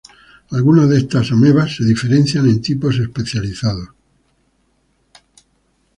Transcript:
Algunas de estas amebas, se diferencian en tipos especializados.